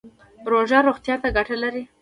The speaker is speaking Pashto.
روژه روغتیا ته ګټه لري